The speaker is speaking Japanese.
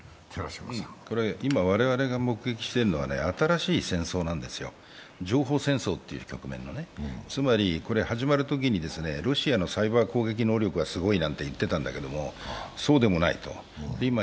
今、我々が目撃しているのは新しい戦争なんですよ、情報戦争というね、つまり始まるときにロシアのサイバー攻撃能力はすごいなんて言ってたんだけれどもそうでもないと。